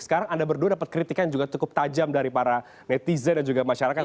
sekarang anda berdua dapat kritikan juga cukup tajam dari para netizen dan juga masyarakat